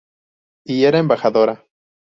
Y era embajadora.